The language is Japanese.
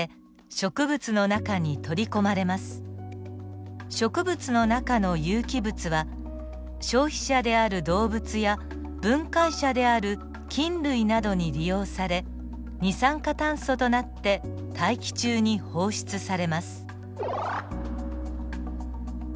植物の中の有機物は消費者である動物や分解者である菌類などに利用され二酸化炭素となって大気中に放出されます。